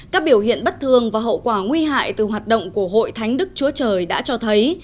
các biểu hiện bất thường và hậu quả nguy hại từ hoạt động của hội thánh đức chúa trời đã cho thấy